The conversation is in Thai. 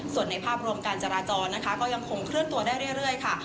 ส่วนในภาพรวมการจราจรนะคะก็ยังคงเคลื่อนตัวได้เรื่อยค่ะ